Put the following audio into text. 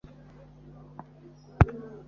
causé par des « balles d’arme Ã feu »